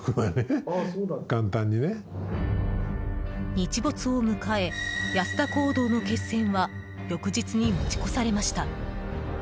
日没を迎え、安田講堂の決戦は翌日に持ち越されました。